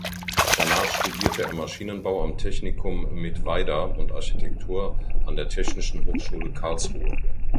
Danach studierte er Maschinenbau am Technikum Mittweida und Architektur an der Technischen Hochschule Karlsruhe.